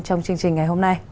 trong chương trình ngày hôm nay